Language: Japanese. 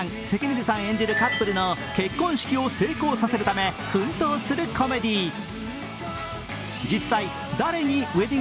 関水さん演じるカップルを結婚式を成功させるため、奮闘するコメディー。